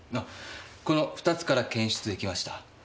この２つから検出できました。